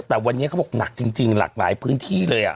แต่วันนี้เขาบอกหนักจริงหลากหลายพื้นที่เลย